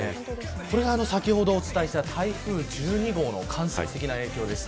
これが先ほどお伝えした台風１２号の間接的な影響です。